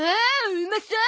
うまそう！